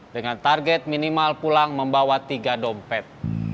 dengan target minimal pulang membawa tiga dompet